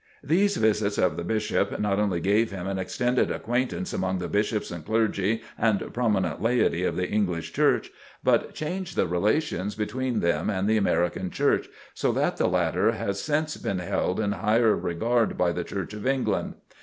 These visits of the Bishop not only gave him an extended acquaintance among the Bishops and clergy and prominent laity of the English Church, but changed the relations between them and the American Church, so that the latter has since been held in higher regard by the Church of England.